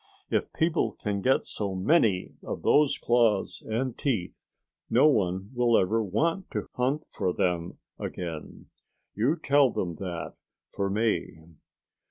If people can get so many of those claws and teeth, no one will ever want to hunt for them again. You tell them that, for me."